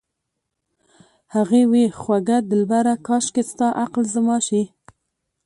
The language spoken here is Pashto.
هغې وې خوږه دلبره کاشکې ستا عقل زما شي